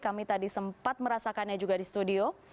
kami tadi sempat merasakannya juga di studio